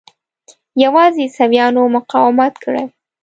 یوازې عیسویانو مقاومت کړی.